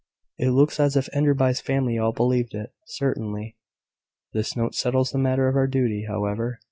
"It looks as if Enderby's family all believed it, certainly. This note settles the matter of our duty, however.